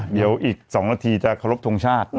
เดี๋ยวอีก๒นาทีจะขอรบทรงชาตินะครับ